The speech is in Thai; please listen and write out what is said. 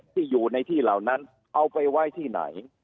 ที่อยู่ในที่เหล่านั้นเอาไปไว้ที่ไหน